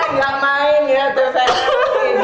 enggak main ya tuh saya ngeliatin